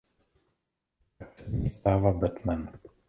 Tak se z něj stává Batman.